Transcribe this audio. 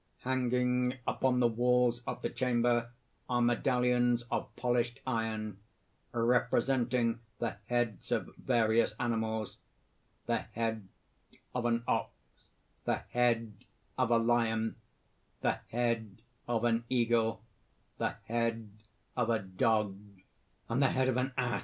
Hanging upon the walls of the chamber are medallions of polished iron representing the heads of various animals: the head of an ox, the head of a lion, the head of an eagle, the head of a dog, and the head of an ass again!